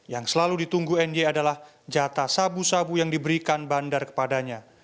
yang selalu ditunggu ny adalah jatah sabu sabu yang diberikan bandar kepadanya